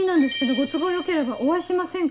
「ご都合よければお会いしませんか？」。